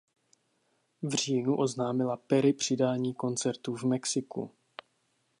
V říjnu oznámila Perry přidání koncertů v Mexiku.